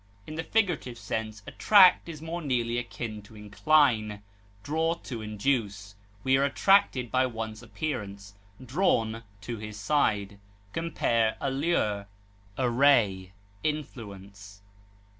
In the figurative sense, attract is more nearly akin to incline, draw to induce. We are attracted by one's appearance, drawn to his side. Compare ALLURE; ARRAY; INFLUENCE.